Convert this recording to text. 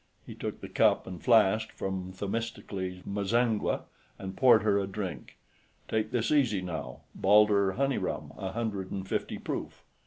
He took the cup and flask from Themistocles M'zangwe and poured her a drink. "Take this easy, now; Baldur honey rum, a hundred and fifty proof."